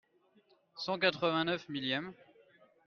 Cent quatre-vingt neuf millième.